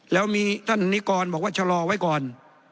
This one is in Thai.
แล้วมีท่านนิกรบอกว่าชะลอไว้ก่อน